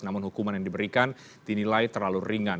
namun hukuman yang diberikan dinilai terlalu ringan